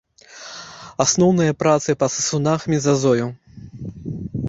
Асноўныя працы па сысунах мезазою.